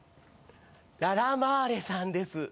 ララマーレさんです。